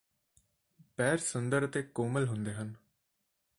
ਪੈਰ ਸੁੰਦਰ ਅਤੇ ਕੋਮਲ ਹੁੰਦੇ ਹਨ